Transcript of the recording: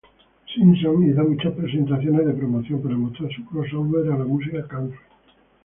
Simpson hizo muchas presentaciones de promoción para mostrar su crossover a la música Country.